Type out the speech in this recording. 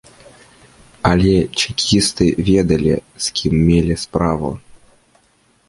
Але чэкісты ведалі, з кім мелі справу.